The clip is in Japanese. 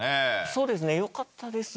そうですねよかったです。